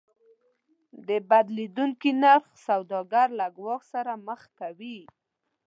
د بدلیدونکي نرخ سوداګر له ګواښ سره مخ کوي.